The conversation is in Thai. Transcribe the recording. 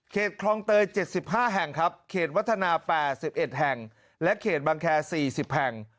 คลองเตย๗๕แห่งครับเขตวัฒนา๘๑แห่งและเขตบังแคร์๔๐แห่ง